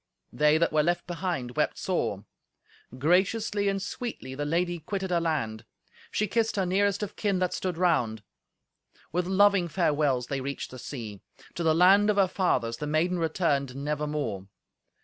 They that were left behind wept sore! Graciously and sweetly the lady quitted her land. She kissed her nearest of kin that stood round. With loving farewells they reached the sea. To the land of her fathers the maiden returned nevermore.